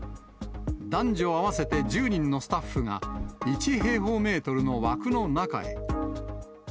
男女合わせて１０人のスタッフが、１平方メートルの枠の中へ。